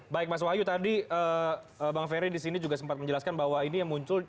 baik mas wahyu tadi bang ferry disini juga sempat menjelaskan bahwa ini yang muncul